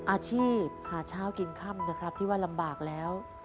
อาชีพหาเช้ากินค่ำนะครับที่ว่าลำบากแล้ว